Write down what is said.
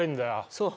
そう。